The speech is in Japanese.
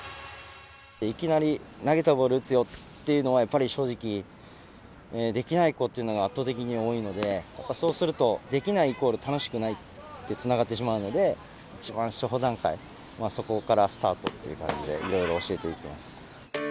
いきなり投げたボール打つよっていうのは、やっぱり正直できない子っていうのが圧倒的に多いので、やっぱりそうすると、できないイコール楽しくないってつながってしまうので、一番初歩段階、そこからスタートという感じで、いろいろ教えていきます。